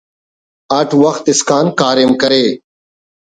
اٹ وخت اسکان کاریم کرے